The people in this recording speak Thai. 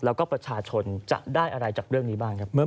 แล้วก็ประชาชนจะได้อะไรจากเรื่องนี้บ้างครับ